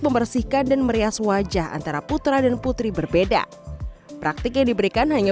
membersihkan dan merias wajah antara putra dan putri berbeda praktik yang diberikan hanya